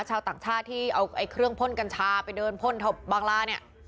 ชาวต่างชาติที่เอาเครื่องพ่นกัญชาไปเดินพ่นบางลาเนี่ย